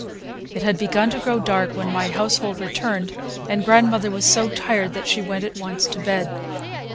It had begun to grow dark when my household returned, and grandmother was so tired that she went at once to bed.